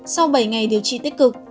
sau bảy ngày điều trị tích cực